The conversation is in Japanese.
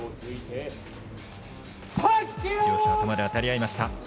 両者頭で当たり合いました。